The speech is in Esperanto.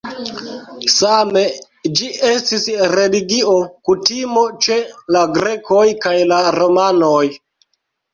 Same, ĝi estis religio kutimo ĉe la grekoj kaj la romanoj.